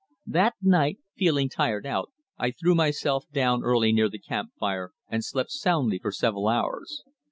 That night, feeling tired out I threw myself down early near the camp fire and slept soundly for several hours.